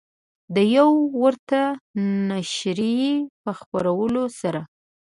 د یوې ورته نشریې په خپرولو سره